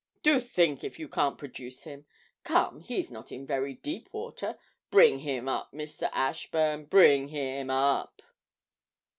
Do think if you can't produce him; come, he's not in very deep water bring him up, Mr. Ashburn, bring him up!'